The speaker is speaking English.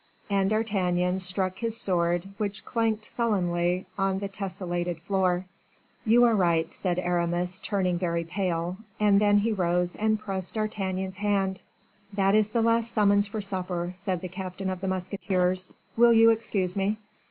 and D'Artagnan struck his sword, which clanked sullenly on the tesselated floor. "You are right," said Aramis, turning very pale; and then he rose and pressed D'Artagnan's hand. "That is the last summons for supper," said the captain of the musketeers; "will you excuse me?"